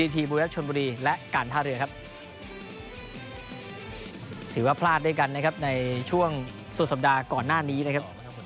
ถือว่าพลาดด้วยกันนะครับในช่วงสุดสัปดาห์ก่อนหน้านี้นะครับ